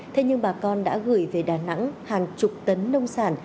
thế nhưng bà con đã gửi về đà nẵng hàng chục tấn nông sản